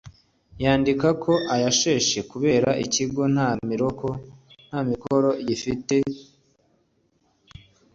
yandika ko ayasheshe kubera ko ikigo nta mikoro gifite bya bindi by’umutekano ntiyabigarukaho